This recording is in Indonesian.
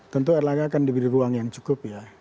tentu erlangga akan diberi ruang yang cukup ya